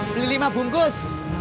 beli lima bungkus